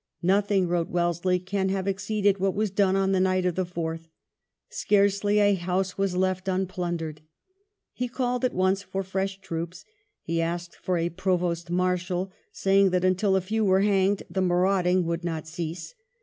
" Nothing," wrote Wellesley, " can have exceeded what was done on the night of the 4th ; scarcely a house was left unplundered." He called at once for fresh troops \ he asked for a provost marshal, saying that until a few were hanged, the maraud ing would not cease.